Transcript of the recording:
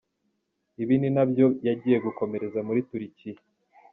Ibi ni nabyo yagiye gukomereza muri Turukiya.